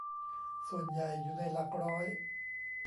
ส่วนใหญ่อยู่ในหลักร้อย